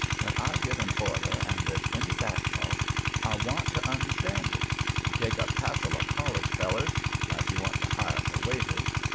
When I give an order and there's any back talk, I want to understand it. You take a passel of college fellers, like you want to hire for waiters.